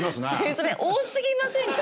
それ多すぎませんか？